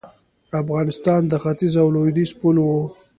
افغانستان د ختیځ او لویدیځ پل و